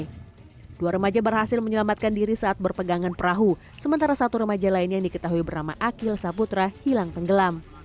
kedua remaja berhasil menyelamatkan diri saat berpegangan perahu sementara satu remaja lain yang diketahui bernama akil saputra hilang tenggelam